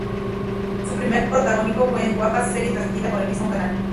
Su primer protagónico fue en "Guapas", serie transmitida por el mismo canal.